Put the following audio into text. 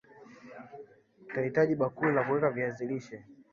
Utahitaji bakuli la kuweka viazi lishe